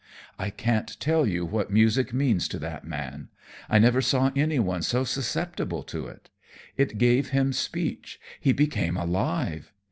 I can't tell you what music means to that man. I never saw any one so susceptible to it. It gave him speech, he became alive.